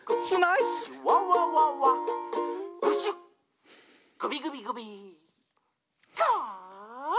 「プシュッ！クビグビグビカァーッ！」